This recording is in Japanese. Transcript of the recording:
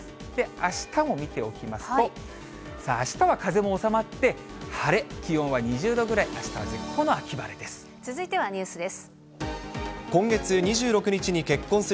あしたも見ておきますと、あしたは風も収まって、晴れ、気温は２０度ぐらい、あしたは絶好の秋続いてはニュースです。